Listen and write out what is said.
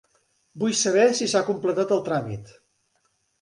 Vull saber si s'ha completat el tràmit.